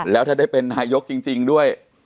แล้วถ้าได้เป็นนายกจริงด้วย